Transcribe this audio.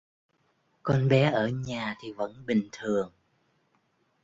con bé ở nhà thì vẫn bình thường